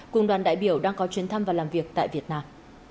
cùng đoàn đại biểu đang có chuyến thăm và làm việc tại việt nam